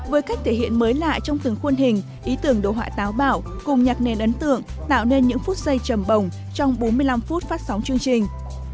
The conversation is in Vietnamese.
với cách thể hiện mới lạ trong từng khuôn hình ý tưởng đồ họa táo bạo cùng nhạc nền ấn tượng tạo nên những phút giây trầm bồng trong bốn mươi năm phút phát sóng chương trình